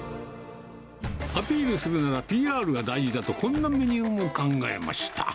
アピールするならＰＲするのが大事だと、こんなメニューも考えました。